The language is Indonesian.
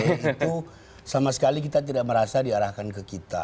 itu sama sekali kita tidak merasa diarahkan ke kita